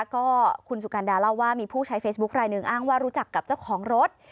ก็คุณสุกันดาเล่าว่ามีผู้ใช้เฟซบุ๊คลายหนึ่งอ้างว่ารู้จักกับเจ้าของรถ